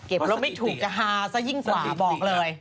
แล้วไม่ถูกจะฮาซะยิ่งกว่าบอกเลย